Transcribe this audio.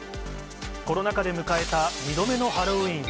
コロナ禍で迎えた２度目のハロウィーン。